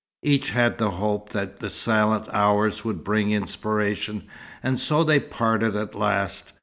Each had the hope that the silent hours would bring inspiration, and so they parted at last.